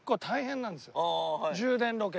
『充電』ロケ。